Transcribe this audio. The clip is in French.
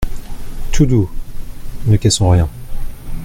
Tout doux ! ne cassons rien…